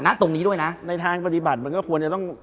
ในทางปฏิบัติมันก็ควรจะต้อง